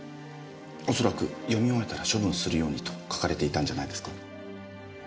恐らく読み終えたら処分するようにと書かれていたんじゃないですか？